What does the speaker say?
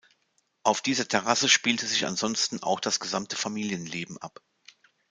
Auf dieser Terrasse spielte sich ansonsten auch das gesamte Familienleben ab.